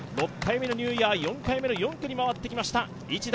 ６回目のニューイヤー、６回目の４区に回ってきました。